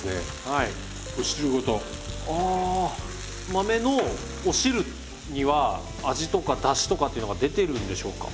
豆のお汁には味とかだしとかっていうのが出てるんでしょうか？